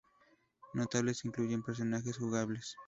Notables incluyen personajes jugables.